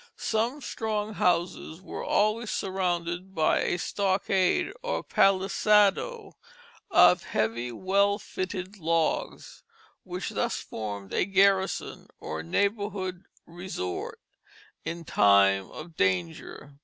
Some strong houses were always surrounded by a stockade, or "palisado," of heavy, well fitted logs, which thus formed a garrison, or neighborhood resort, in time of danger.